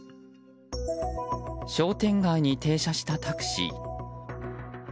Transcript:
商店街に停車したタクシー。